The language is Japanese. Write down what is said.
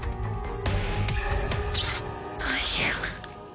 どうしよう。